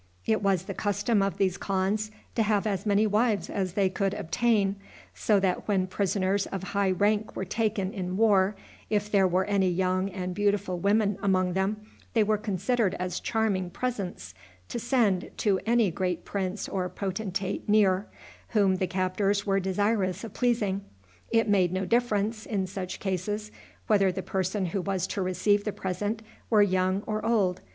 It was the custom of these khans to have as many wives as they could obtain, so that when prisoners of high rank were taken in war, if there were any young and beautiful women among them, they were considered as charming presents to send to any great prince or potentate near, whom the captors were desirous of pleasing. It made no difference, in such cases, whether the person who was to receive the present were young or old.